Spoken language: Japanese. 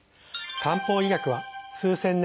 漢方医学は数千年の経験